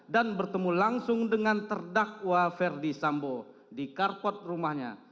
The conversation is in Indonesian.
dan bertemu langsung dengan terdakwa ferdi sambo di karpot rumahnya